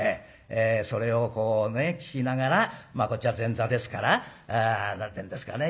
それをこうね聞きながらこっちは前座ですから何てんですかね